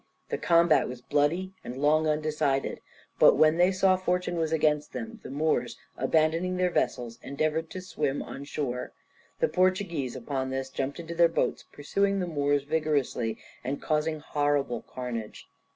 The combat was bloody and long undecided, but when they saw fortune was against them the Moors, abandoning their vessels, endeavoured to swim on shore. The Portuguese upon this jumped into their boats, pursuing the Moors vigorously, and causing horrible carnage.